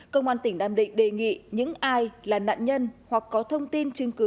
cơ quan tỉnh nam định đề nghị những ai là nạn nhân hoặc có thông tin chứng cứ